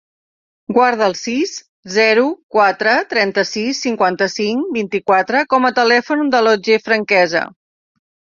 Guarda el sis, zero, quatre, trenta-sis, cinquanta-cinc, vint-i-quatre com a telèfon de l'Otger Franquesa.